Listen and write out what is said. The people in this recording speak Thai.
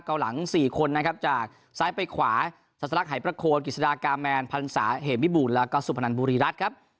เก่าหลัง๔คนนะครับจากซ้ายไปขวาทรัศนลักษณ์หายประโคลกฤษฎากาแมนพลันสาเหมศ์วิบูรณ์แล้วก็สุพนันบุรีรัฐครับ